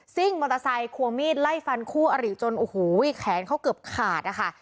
่งมอเตอร์ไซค์ควงมีดไล่ฟันคู่อริจนโอ้โหแขนเขาเกือบขาดนะคะ